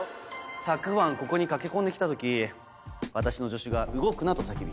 昨晩ここに駆け込んで来た時私の助手が「動くな」と叫び。